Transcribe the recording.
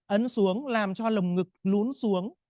ấn xuống làm cho lồng ngực lún xuống